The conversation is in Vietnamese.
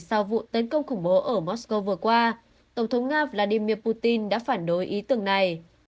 sau vụ tấn công khủng bố ở mosco vừa qua tổng thống nga vladimir putin đã phản đối ý tưởng này